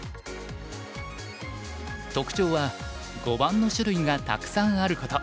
特徴は碁盤の種類がたくさんあること。